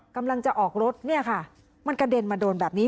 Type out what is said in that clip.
กำลังจะออกรถเนี่ยค่ะมันกระเด็นมาโดนแบบนี้